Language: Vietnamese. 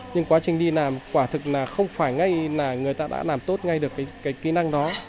nhưng quá trình đi làm quả thực là không phải ngay là người ta đã làm tốt ngay được cái kỹ năng đó